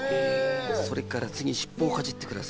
それから次尻尾をかじってください。